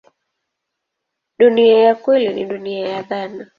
Dunia ya kweli ni dunia ya dhana.